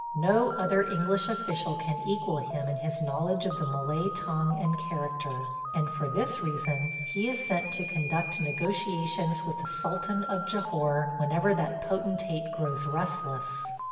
No other English official can equal him in his knowledge of the Malay tongue and character, and for this reason he is sent to conduct negotiations with the sultan of Jahore whenever that potentate grows restless.